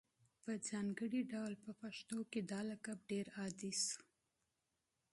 په ځانګړي ډول په پښتنو کي دا لقب ډېر عام شو